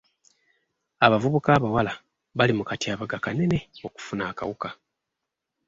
Abavuvuka abawala bali mu katyabaga kanene okufuna akawuka.